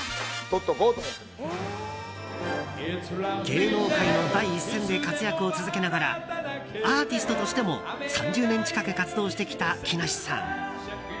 芸能界の第一線で活躍を続けながらアーティストとしても３０年近く活動してきた木梨さん。